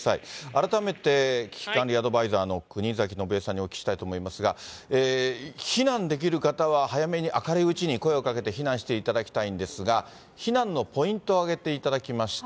改めて危機管理アドバイザーの国崎信江さんにお聞きしたいと思いますが、避難できる方は、早めに明るいうちに声をかけて避難していただきたいんですが、避難のポイントを挙げていただきました。